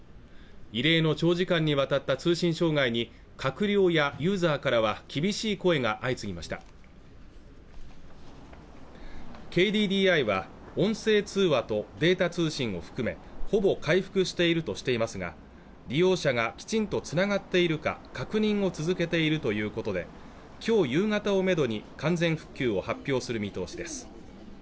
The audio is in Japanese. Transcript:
異例の長時間にわたった通信障害に閣僚やユーザーからは厳しい声が相次ぎましたＫＤＤＩは音声通話とデータ通信を含めほぼ回復しているとしていますが利用者がきちんとつながっているか確認を続けているということできょう夕方をめどに完全復旧を発表する見通しです